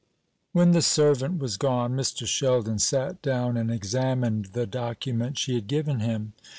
When the servant was gone, Mr. Sheldon sat down and examined the document she had given him.